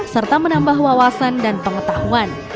serta menambah wawasan dan pengetahuan